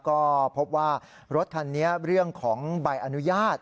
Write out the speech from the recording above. ก็พบว่ารถคันนี้เรื่องของใบอนุญาต